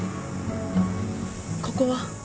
ここは？